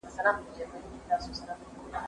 زه ځواب ليکلی دی!!